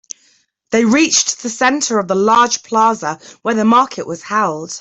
They reached the center of a large plaza where the market was held.